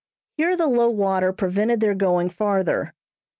Here the low water prevented their going farther.